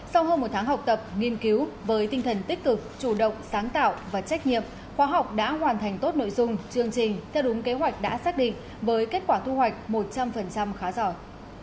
sau hơn một tháng học tập nghiên cứu với tinh thần tích cực chủ động sáng tạo và trách nhiệm khoa học đã hoàn thành tốt nội dung chương trình theo đúng kế hoạch đã xác định với kết quả thu hoạch một trăm linh khá giỏi